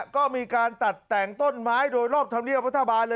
ก็มีการตัดแต่งต้นไม้โดยรอบธรรมเนียบรัฐบาลเลย